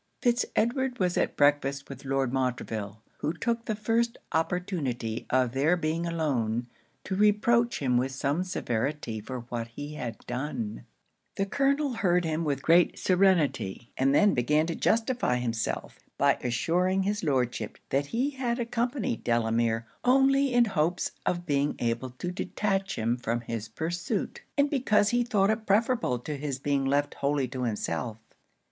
Fitz Edward was at breakfast with Lord Montreville; who took the first opportunity of their being alone, to reproach him with some severity for what he had done. The Colonel heard him with great serenity; and then began to justify himself, by assuring his Lordship that he had accompanied Delamere only in hopes of being able to detach him from his pursuit, and because he thought it preferable to his being left wholly to himself.